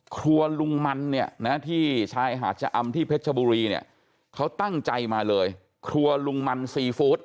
ครัวลุงมันเนี่ยนะที่ชายหาดชะอำที่เพชรชบุรีเนี่ยเขาตั้งใจมาเลยครัวลุงมันซีฟู้ด